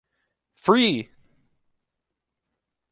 Free!